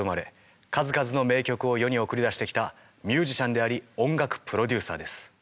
数々の名曲を世に送り出してきたミュージシャンであり音楽プロデューサーです。